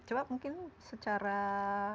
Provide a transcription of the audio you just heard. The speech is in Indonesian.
coba mungkin secara awal